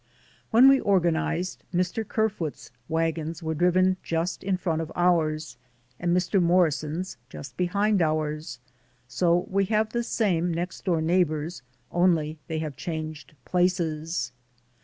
When we organized, Mr. Ker foot's wagons were driven just in front of ours and Mr. Morrison's just behind ours, so we have the same next door neighbors, only they have changed places.